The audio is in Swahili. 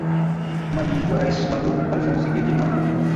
maji wa rais bagbo alfonsi jeje madi